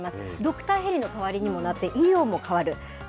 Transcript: ドクターヘリの代わりにもなって、医療も変わる。